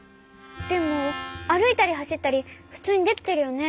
でもあるいたりはしったりふつうにできてるよね？